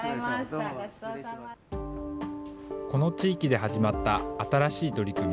この地域で始まった新しい取り組み。